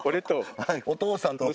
はいお父さんと。